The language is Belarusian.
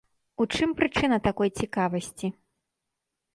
У чым прычына такой цікавасці?